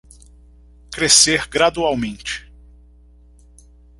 Crescer gradualmente